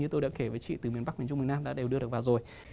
như tôi đã kể với chị từ miền bắc miền trung miền nam đã đều đưa được vào rồi